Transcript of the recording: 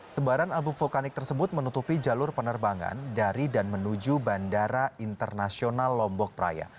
sebaran abu vulkanik tersebut menutupi jalur penerbangan dari dan menuju bandara internasional lombok praya